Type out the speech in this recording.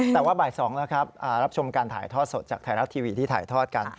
แต่ว่าบ่าย๒แล้วครับรับชมการถ่ายทอดสดจากไทยรัฐทีวีที่ถ่ายทอดกัน